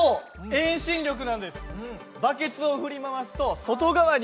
「遠心力」なんです。